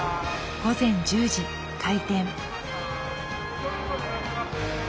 午前１０時開店。